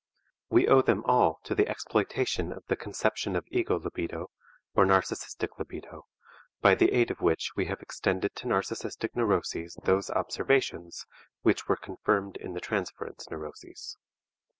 We owe them all to the exploitation of the conception of ego libido or narcistic libido, by the aid of which we have extended to narcistic neuroses those observations which were confirmed in the transference neuroses.